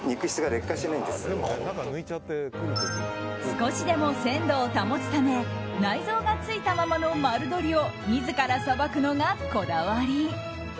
少しでも鮮度を保つため内臓がついたままの丸鶏を自らさばくのがこだわり。